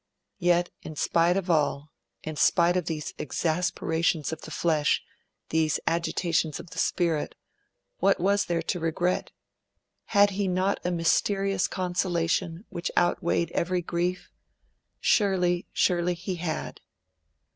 Yet, in spite of all, in spite of these exasperations of the flesh, these agitations of the spirit, what was there to regret? Had he not a mysterious consolation which outweighed every grief? Surely, surely, he had.